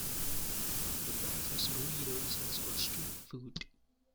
The breakfast burrito is also a street food.